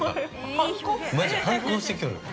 マジ反抗してきよる。